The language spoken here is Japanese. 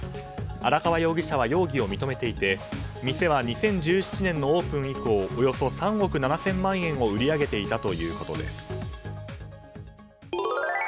荒川容疑者は容疑を認めていて店は２０１７年のオープン以降およそ３億７０００万円を売り上げていたということです。